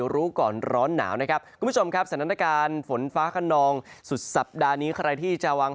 รู้ก่อนร้อนหนาว